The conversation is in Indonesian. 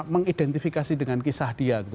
mengidentifikasi dengan kisah dia